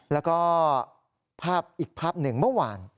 แล้วก็ภาพอีกภาพหนึ่งเมื่อวาน